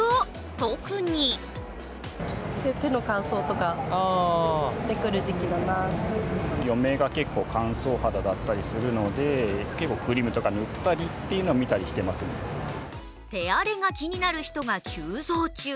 特に手荒れが気になる人が急増中。